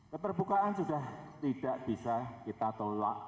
keterbukaan sudah tidak bisa ditangani